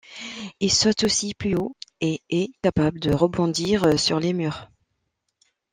Il saute aussi plus haut et est capable de rebondir sur les murs.